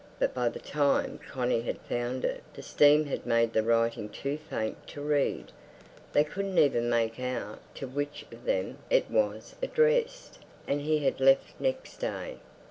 But by the time Connie had found it the steam had made the writing too faint to read; they couldn't even make out to which of them it was addressed. And he had left next day.